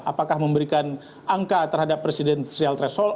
apakah memberikan angka terhadap presidensial threshold